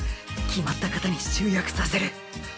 決まった型に集約させる。